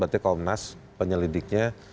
berarti komnas penyelidiknya